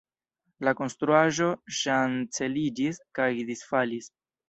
La konstruaĵo ŝanceliĝis kaj disfalis.